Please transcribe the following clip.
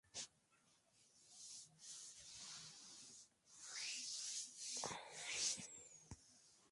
Suele añadirse un poco de salsa Worcestershire.